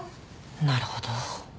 なるほど。